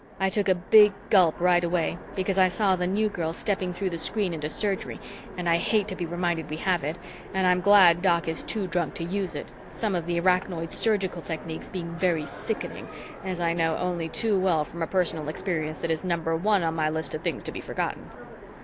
I took a big gulp right away because I saw the New Girl stepping through the screen into Surgery and I hate to be reminded we have it and I'm glad Doc is too drunk to use it, some of the Arachnoid surgical techniques being very sickening as I know only too well from a personal experience that is number one on my list of things to be forgotten.